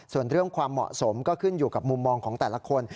ส่วนเรื่องความเหมาะสมก็ขึ้นอยู่กับมุมมองของแต่ละคน